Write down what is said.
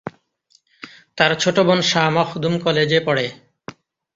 তার ছোট বোন শাহ মখদুম কলেজে পড়ে।